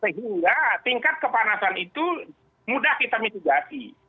sehingga tingkat kepanasan itu mudah kita mitigasi